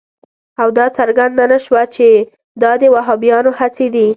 او دا څرګنده نه شوه چې دا د وهابیانو هڅې دي.